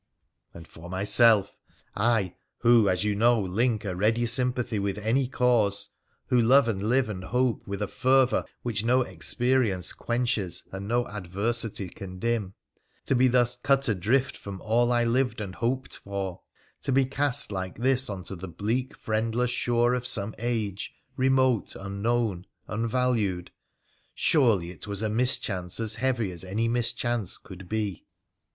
And for myself — I, who, as you know, link a ready sym pathy with any cause, who love and live and hope with a fervour which no experience quenches and no adversity can dim — to be thus cut adrift from all I lived and hoped for, to be cast like this on to the bleak, friendless shore of some age, remote, unknown, unvalued— surely it was a mischance as heavy as any mischance could be